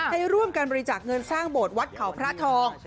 ให้ร่วมกันบริจาคเงินสร้างโบสถวัดเขาพระทอง